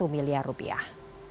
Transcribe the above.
enam satu miliar rupiah